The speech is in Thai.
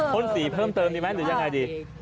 พ่นสีเพิ่มเติมดีไหมหรือยังไงดี